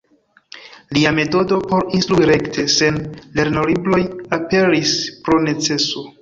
Lia metodo por instrui rekte, sen lernolibroj, aperis pro neceso.